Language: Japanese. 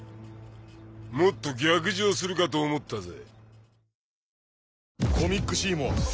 もっと逆上するかと思ったぜ